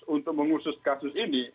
untuk mengusus kasus ini